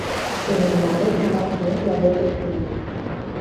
Prin urmare, ne-am abținut la votul final.